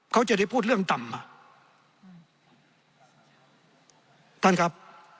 เขาจะได้พูดเรื่องต่ำอ่ะอืมท่านครับ